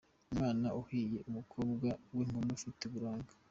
Umwana uhiye : umukobwa w’inkumi ufite uburanga .